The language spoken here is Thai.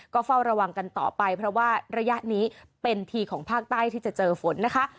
ก็เฝ้าระวังกันต่อไปเพราะว่าระยะนี้เป็นทีของภาคใต้ที่จะเจอฝนนะคะ